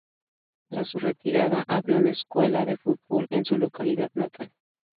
Tras su retirada, abrió una escuela de fútbol en su localidad natal.